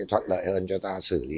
thuận lợi hơn cho ta xử lý